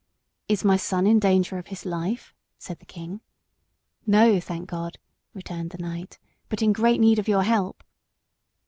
"Is my son in danger of his life?" said the king. "No, thank God," returned the knight, "but in great need of your help."